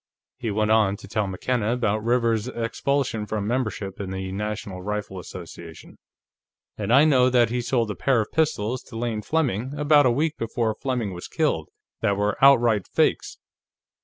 He went on to tell McKenna about Rivers's expulsion from membership in the National Rifle Association. "And I know that he sold a pair of pistols to Lane Fleming, about a week before Fleming was killed, that were outright fakes.